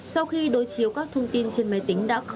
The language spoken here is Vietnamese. sau khi đối chiếu các thông tin trên máy tính